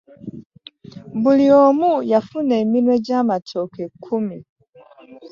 Buli omu yafuna eminwe gy'amatooke kkumi.